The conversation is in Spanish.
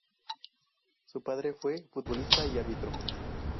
Su padre fue futbolista y árbitro.